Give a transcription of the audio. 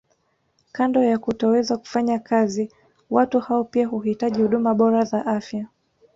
Kando ya kutoweza kufanya kazi watu hao pia huhitaji huduma bora za afya